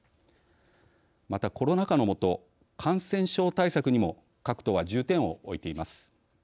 また、コロナ禍のもと感染症対策にも各党は重点を置いています。